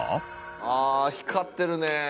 ああー光ってるね。